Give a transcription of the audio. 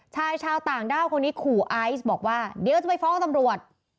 ชายชาวต่างด้าวคนนี้ขู่ไอซ์บอกว่าเดี๋ยวจะไปฟ้องตำรวจ